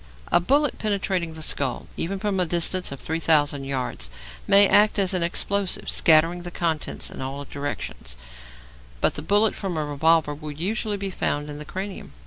A bullet penetrating the skull even from a distance of 3,000 yards may act as an explosive, scattering the contents in all directions; but the bullet from a revolver will usually be found in the cranium.